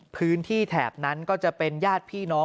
พื้นที่แถบนั้นก็จะเป็นญาติพี่น้อง